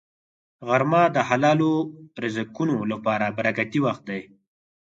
غرمه د حلالو رزقونو لپاره برکتي وخت دی